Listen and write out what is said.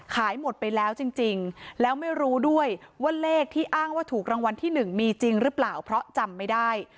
ขายหมดไปแล้วจริงแล้วไม่รู้ด้วยว่าเลขที่อ้างว่าถูกรางวัลที่๑มีจริงหรือเปล่าเพราะจำไม่ได้